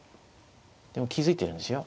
でも気付いてるんですよ。